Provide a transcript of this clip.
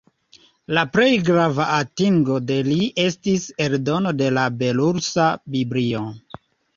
La plej grava atingo de li estis eldono de la belorusa Biblio.